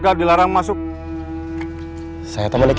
jangan lah engkau schauen apa nanti